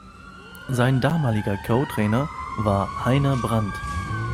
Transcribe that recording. Sein damaliger Co-Trainer war Heiner Brand.